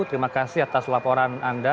terima kasih atas laporan anda